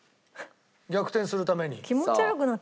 逆転するために。